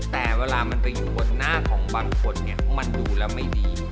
แต่เวลามันไปอยู่บนหน้าของบางคนเนี่ยมันดูแล้วไม่ดี